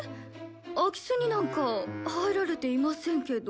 空き巣になんか入られていませんけど。